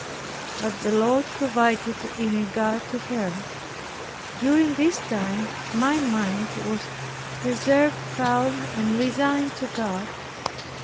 But the Lord provided in regard to her. During this time my mind was preserved calm and resigned to God.